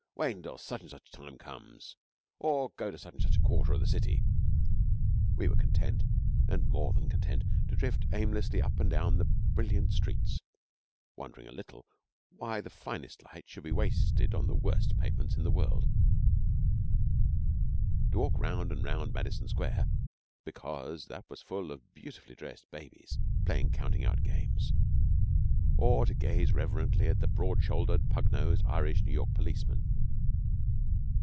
Wait until such and such times come, or go to such and a such a quarter of the city.' We were content, and more than content, to drift aimlessly up and down the brilliant streets, wondering a little why the finest light should be wasted on the worst pavements in the world; to walk round and round Madison Square, because that was full of beautifully dressed babies playing counting out games, or to gaze reverently at the broad shouldered, pug nosed Irish New York policemen.